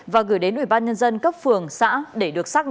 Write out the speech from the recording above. và gửi đến ủy ban nhân dân cấp phường xã để được xác định